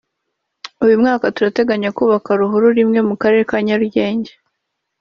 …uyu mwaka turateganya kubaka ruhurura imwe mu karere ka Nyarugenge